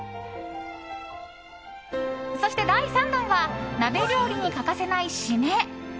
そして、第３弾は鍋料理に欠かせない締め。